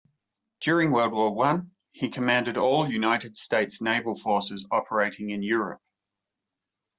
During World War One he commanded all United States naval forces operating in Europe.